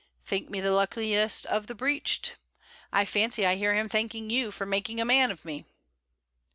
'Think me the luckiest of the breeched. I fancy I hear him thanking you for "making a man" of me.'